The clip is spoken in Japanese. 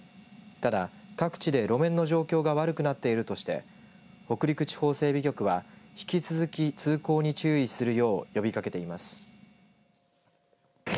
ただ、各地で路面の状況が悪くなっているとして北陸地方整備局は、引き続き通行に注意するよう呼びかけています。